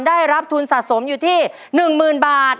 ได้รับทุนสะสมอยู่ที่๑๐๐๐บาท